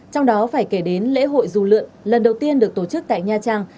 trong đó phải kể đến lễ hội dù lượn lần đầu tiên được tổ chức tại nha trang